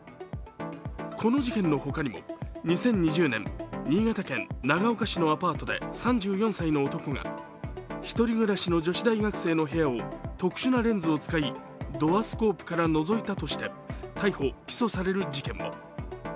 この事件のほかにも２０２０年新潟県長岡市のアパートで３４歳の男が１人暮らしの女子大学生の部屋を特殊なレンズを使いドアスコープからのぞいたとして逮捕・起訴される事件も。